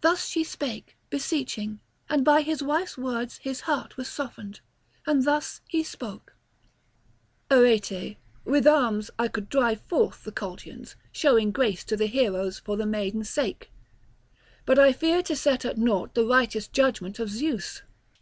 Thus she spake, beseeching; and by his wife's words his heart was softened, and thus he spake: "Arete, with arms I could drive forth the Colchians, showing grace to the heroes for the maiden's sake. But I fear to set at nought the righteous judgment of Zeus.